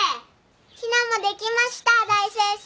陽菜もできました大先生！